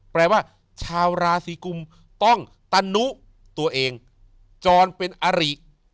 พาวราศีกุณิต้องตนุตัวเองจรเป็นอริ